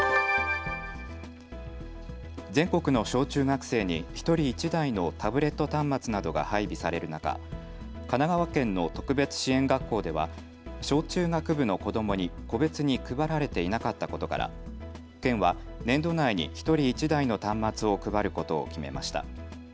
全国の小中学生に１人１台のタブレット端末などが配備される中、神奈川県の特別支援学校では小中学部の子どもに個別に配られていなかったことから県は年度内に１人１台の端末を配ることを決めました。